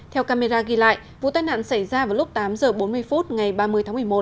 theo camera ghi lại vụ tai nạn xảy ra vào lúc tám h bốn mươi phút ngày ba mươi tháng một mươi một